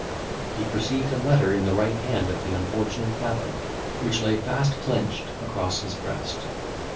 he perceived a letter in the right hand of the unfortunate Fathom, which lay fast clenched across his breast.